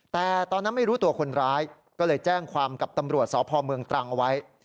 แต่ตอนนั้นไม่รู้ตัวคนร้ายก็เลยแจ้งความกับตำรวจสพเมืองตรังเอาไว้